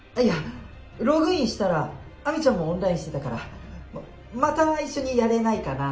ログインしたらアミちゃんもオンラインしてたからまた一緒にやろう。